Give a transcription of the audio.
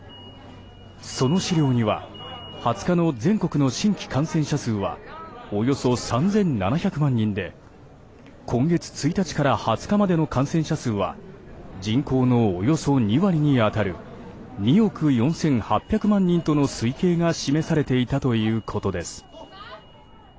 その資料には２０日の全国の新規感染者数はおよそ３７００万人で今月１日から２０日までの感染者数は人口のおよそ２割に当たる２億４８００万人との推計が示されていたということです。